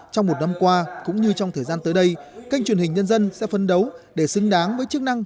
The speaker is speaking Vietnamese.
trong một năm qua cũng như trong thời gian tới đây kênh truyền hình nhân dân sẽ phân đấu để xứng đáng với chức năng